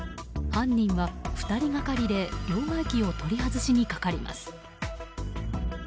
犯人は２人がかりで両替機を取り外しにかかります。